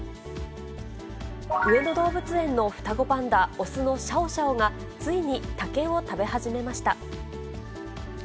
上野動物園の双子パンダ、雄のシャオシャオが、ついに竹を食べ始めました。